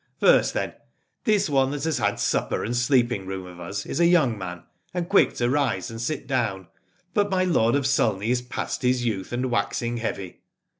First then, this one that has had supper and sleeping room of us is a young man, and quick to rise and to sit down, but my lord of Sulney is past his youth and waxing heavy.